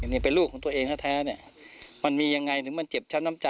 นายฮัศดีเผยความรู้สึกอัดอั้นที่ผ่านมา